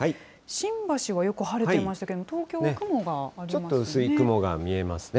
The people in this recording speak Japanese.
新橋はよく晴れていましたけれどちょっと薄い雲が見えますね。